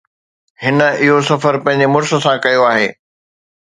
هن اهو سفر پنهنجي مڙس سان ڪيو آهي